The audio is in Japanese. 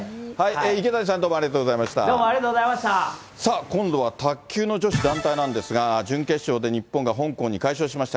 池谷さん、どうもありがとうございまし今度は卓球の女子団体なんですが、準決勝で日本が香港に快勝しました。